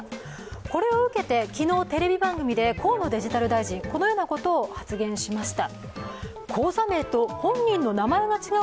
これを受けて昨日、テレビ番組で河野デジタル大臣、このようなことを発言しました。